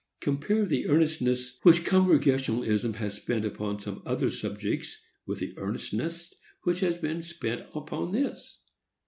Compare the earnestness which Congregationalism has spent upon some other subjects with the earnestness which has been spent upon this.